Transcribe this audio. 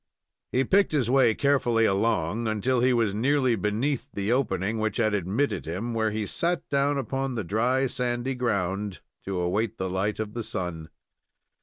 He picked his way carefully along until he was nearly beneath the opening which had admitted him, where he sat down upon the dry, sandy ground to await the light of the sun.